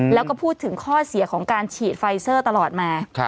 แล้วก็พูดถึงข้อเสียของการฉีดไฟเซอร์ตลอดมา